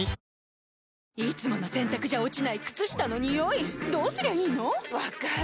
いつもの洗たくじゃ落ちない靴下のニオイどうすりゃいいの⁉分かる。